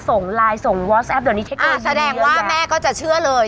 ส่งไลน์ส่งวอสแอปเดี๋ยวนี้เทคโนโลยีเยอะแยะอ่าแสดงว่าแม่ก็จะเชื่อเลย